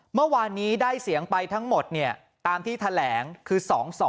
เมื่อวานนี้ได้เสียงไปทั้งหมดตามที่แถลงคือ๒๒